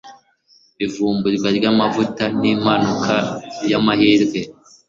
Ivumburwa ryamavuta nimpanuka yamahirwe.